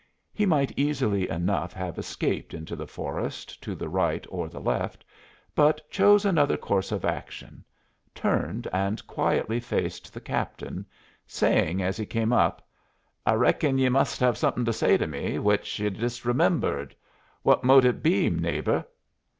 He might easily enough have escaped into the forest to the right or the left, but chose another course of action turned and quietly faced the captain, saying as he came up: "I reckon ye must have something to say to me, which ye disremembered. What mout it be, neighbor?"